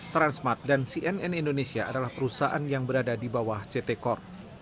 transmart dan cnn indonesia adalah perusahaan yang berada di bawah ct corp